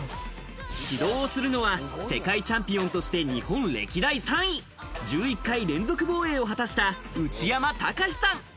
指導するのは世界チャンピオンとして日本歴代３位、１１回連続防衛を果たした、内山高志さん。